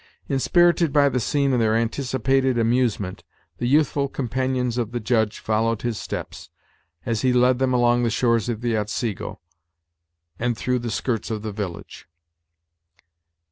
Inspirited by the scene and their anticipated amusement, the youthful companions of the Judge followed his steps, as he led them along the shores of the Otsego, and through the skirts of the village.